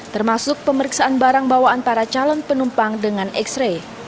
termasuk pemeriksaan barang bawaan para calon penumpang dengan x ray